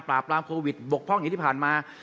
ปราบรามโควิดบกพร่องอย่างที่ผ่านมา